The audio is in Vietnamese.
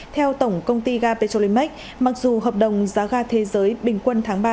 theo tổng công ty ga petrolimex mặc dù hợp đồng giá ga thế giới bình quân tháng ba